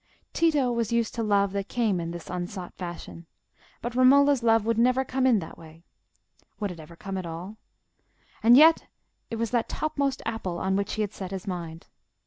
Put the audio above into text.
Tito was used to love that came in this unsought fashion. But Romola's love would never come in that way: would it ever come at all?—and yet it was that topmost apple on which he had set his mind.